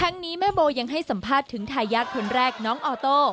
นี้แม่โบยังให้สัมภาษณ์ถึงทายาทคนแรกน้องออโต้